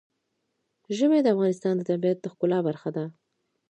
ژمی د افغانستان د طبیعت د ښکلا برخه ده.